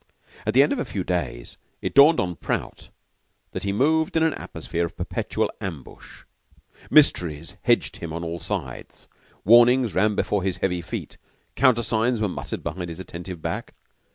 At the end of a few days, it dawned on Prout that he moved in an atmosphere of perpetual ambush. Mysteries hedged him on all sides, warnings ran before his heavy feet, and countersigns were muttered behind his attentive back.